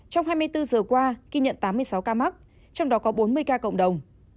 trong hai mươi bốn giờ qua ghi nhận tám mươi sáu ca mắc trong đó có bốn mươi ca cộng đồng